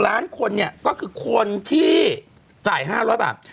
๑ล้านคนก็คือคนที่จ่าย๕๐๐บาท